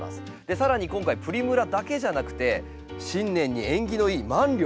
更に今回プリムラだけじゃなくて新年に縁起のいいマンリョウ。